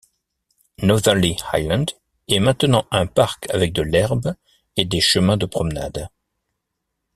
Northerly Island est maintenant un parc avec de l'herbe et des chemins de promenade.